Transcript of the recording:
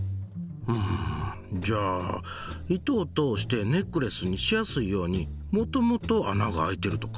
うんじゃあ糸を通してネックレスにしやすいようにもともと穴が開いてるとか？